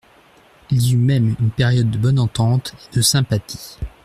Il y eut même une période de bonne entente et de sympathie.